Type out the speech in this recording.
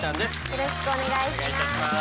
よろしくお願いします。